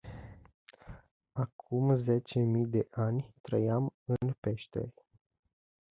Acum zece mii de ani trăiam în peșteri.